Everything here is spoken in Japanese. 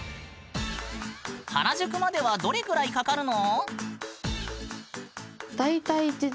原宿まではどれぐらいかかるの？